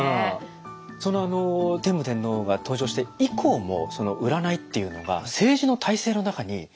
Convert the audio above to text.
そのあの天武天皇が登場して以降もその占いっていうのが政治の体制の中に。